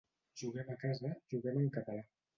Juguem a casa, juguem en català.